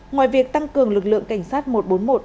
ngoài việc tăng cường lực lượng cảnh sát một trăm bốn mươi một